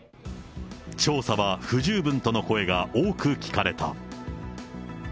調査は不十分との声が多く聞かれた。